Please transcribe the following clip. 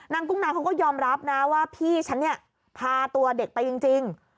กุ้งนางเขาก็ยอมรับนะว่าพี่ฉันเนี่ยพาตัวเด็กไปจริง